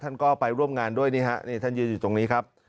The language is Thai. ท่านก็ไปร่วมงานด้วยนี่ฮะนี่ท่านยืนอยู่ตรงนี้ครับ